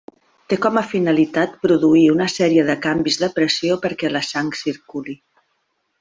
Té com a finalitat produir una sèrie de canvis de pressió perquè la sang circuli.